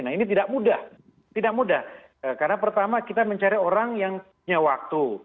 nah ini tidak mudah tidak mudah karena pertama kita mencari orang yang punya waktu